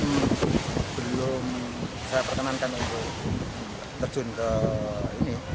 ini belum saya perkenankan untuk terjun ke ini